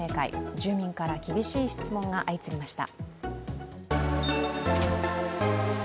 住民から厳しい質問が相次ぎました。